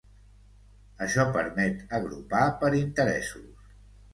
Això permet agrupar per interessos.